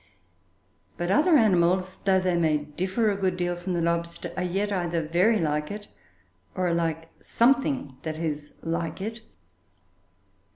But other animals, though they may differ a good deal from the lobster, are yet either very like it, or are like something that is like it.